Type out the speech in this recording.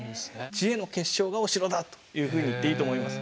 知恵の結晶がお城だというふうに言っていいと思います。